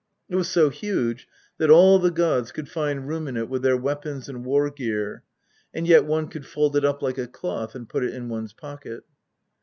It was so huge that all the gods could find room in it with their weapons and war gear, and yet one could fold it up like a cloth and put it in one's pocket."